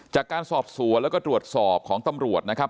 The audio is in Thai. จากการสอบสวนแล้วก็ตรวจสอบของตำรวจนะครับ